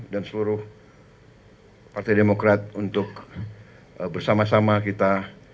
dan seluruh partai demokrat untuk bersama sama kita